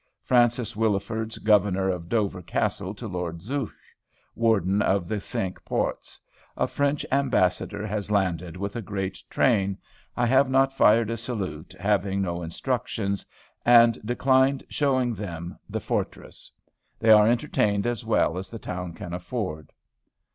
Francis Willisfourd, Governor of Dover Castle to Lord Zouch, Warden of the Cinque Ports. "A French Ambassador has landed with a great train. I have not fired a salute, having no instructions, and declined showing them the fortress. They are entertained as well as the town can afford."